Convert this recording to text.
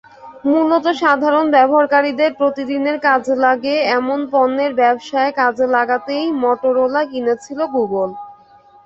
মূলত সাধারণ ব্যবহারকারীদের প্রতিদিনের কাজে লাগে—এমন পণ্যের ব্যবসায় কাজে লাগাতেই মটোরোলা কিনেছিল গুগল।